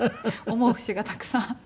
思う節がたくさんあって。